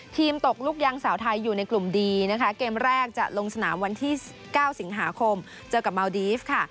ตกลูกยางสาวไทยอยู่ในกลุ่มดีนะคะเกมแรกจะลงสนามวันที่๙สิงหาคมเจอกับเมาดีฟค่ะ